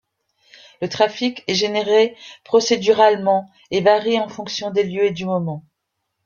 Le trafic est généré procéduralement et varie en fonction des lieux et du moment.